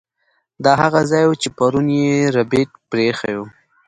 دا هغه ځای و چې پرون یې ربیټ پریښی و